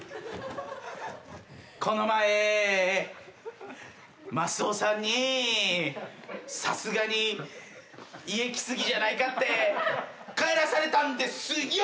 この前マスオさんにさすがに家来過ぎじゃないかって帰らされたんですｙｏ！